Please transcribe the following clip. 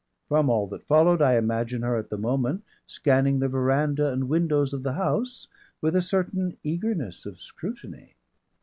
From all that followed, I imagine her at the moment scanning the veranda and windows of the house with a certain eagerness of scrutiny.